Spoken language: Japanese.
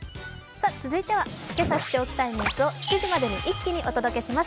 続いては、けさ知っておきたいニュースを７時まで一気にお届けします